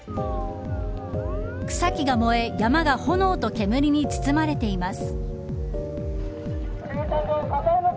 草木が燃え山が炎と煙に包まれています。